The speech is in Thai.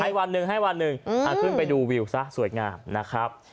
วันหนึ่งให้วันหนึ่งขึ้นไปดูวิวซะสวยงามนะครับ